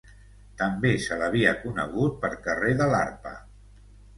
També se l'havia conegut per carrer de l'Arpa.